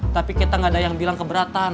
tapi kita nggak ada yang bilang keberatan